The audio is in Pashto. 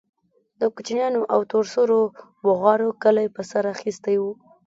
د کوچنيانو او تور سرو بوغارو کلى په سر اخيستى و.